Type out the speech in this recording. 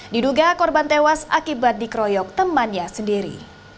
diduga korban tewas akibat dikroyok temannya sendiri